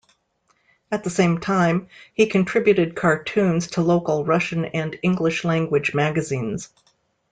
At the same time, he contributed cartoons to local Russian and English-language magazines.